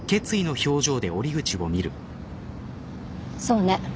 そうね。